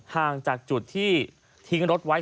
ห่างจากจุดที่ทิ้งรถไว้